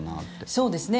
そうですね。